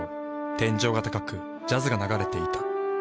天井が高くジャズが流れていた。